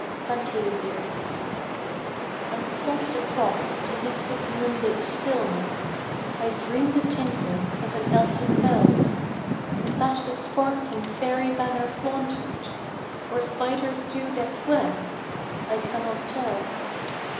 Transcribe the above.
Fantasia And soft across the mystic moonlit stillness I dream the tinkle of an elfin bell; Is that a sparkling fairy banner flaunted, Or spider's dew decked web ? I cannot tell.